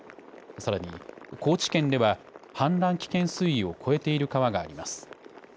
さらに高知県では氾濫危険水位を超えている川があります。